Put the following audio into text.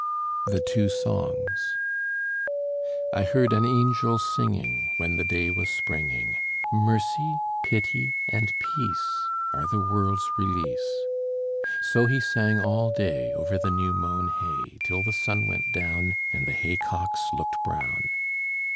THE TWO SONGS I heard an Angel singing When the day was springing: "Mercy, pity, and peace, Are the world's release." So he sang all day Over the new mown hay, Till the sun went down, And the haycocks looked brown.